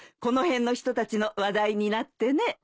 この辺の人たちの話題になってね。